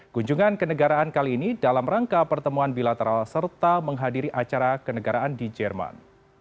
kunjungan kenegaraan kali ini dalam rangka pertemuan bilateral serta menghadiri acara kenegaraan di jerman